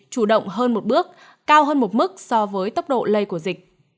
chủ động hơn một bước cao hơn một mức so với tốc độ lây của dịch